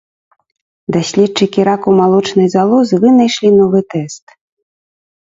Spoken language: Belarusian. Даследчыкі раку малочнай залозы вынайшлі новы тэст.